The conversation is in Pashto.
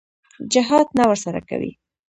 جهاد نه ورسره کوي.